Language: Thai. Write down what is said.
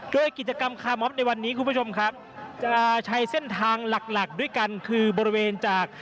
โดยกิจกรรมคาร์มอฟในวันนี้คุณผู้ชมครับจะใช้เส้นทางหลักหลักด้วยกันคือบริเวณจาก